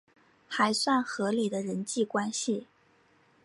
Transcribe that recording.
还算合理的人际关系